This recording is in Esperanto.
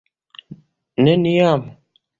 Neniam.